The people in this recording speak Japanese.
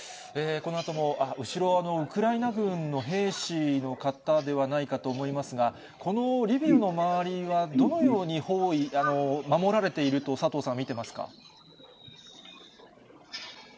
このあとも、あっ、後ろはウクライナ軍の兵士の方ではないかと思いますが、このリビウの周りは、どのように包囲、守られていると、佐藤さんは見てますか。